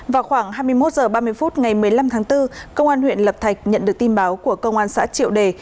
vào khoảng hai mươi một h ba mươi phút ngày một mươi năm tháng bốn công an huyện lập thạch nhận được tin báo của công an xã triệu đề